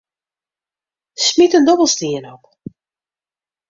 Smyt in dobbelstien op.